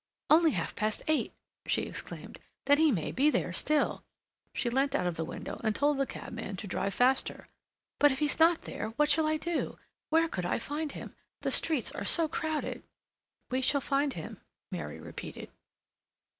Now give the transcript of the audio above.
"Only half past eight!" she exclaimed. "Then he may be there still." She leant out of the window and told the cabman to drive faster. "But if he's not there, what shall I do? Where could I find him? The streets are so crowded." "We shall find him," Mary repeated.